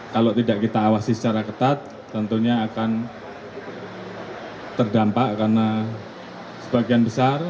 kalau tidak kita awasi secara ketat tentunya akan terdampak karena sebagian besar